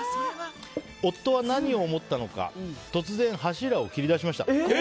夫は何を思ったのか突然、柱を切り出しました。